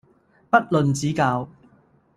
不吝指教